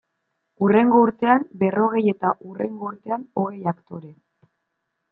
Hurrengo urtean berrogei, eta hurrengo urtean hogei aktore.